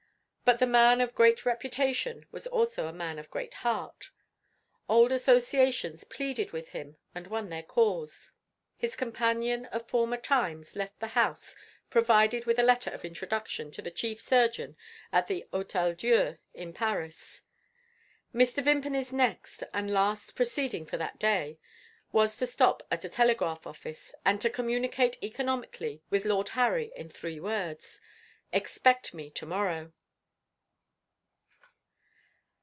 But the man of great reputation was also a man of great heart. Old associations pleaded with him, and won their cause. His companion of former times left the house provided with a letter of introduction to the chief surgeon at the Hotel Dieu, in Paris. Mr. Vimpany's next, and last, proceeding for that day, was to stop at a telegraph office, and to communicate economically with Lord Harry in three words: "Expect me to morrow."